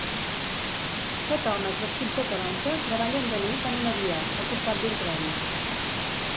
Set homes vestits de taronja treballen de nit en una via, al costat d'un tren.